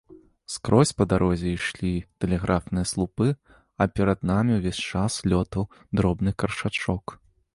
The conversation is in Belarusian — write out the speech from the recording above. Скрозь па дарозе ішлі тэлеграфныя слупы, а перад намі ўвесь час лётаў дробны каршачок.